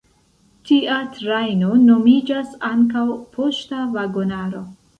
Tia trajno nomiĝas ankaŭ "poŝta vagonaro".